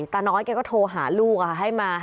แต่ตาน้อยก็โทรหาลูกค่ะให้มา